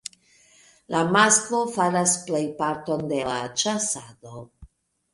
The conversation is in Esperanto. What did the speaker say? La masklo faras plej parton de la ĉasado.